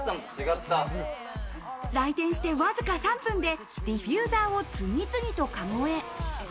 来店してわずか３分でディフューザーを次々とかごへ。